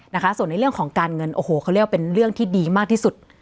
นะคะส่วนในเรื่องของการเงินโอ้โหเขาเรียกว่าเป็นเรื่องที่ดีมากที่สุด